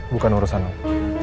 bukan urusan om